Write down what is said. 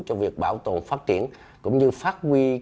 cho việc bảo tồn phát triển cũng như phát huy